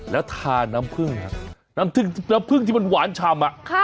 แล้วทาน้ำพึ่งครับน้ำผึ้งที่มันหวานชำ